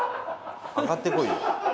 上がってこいよ。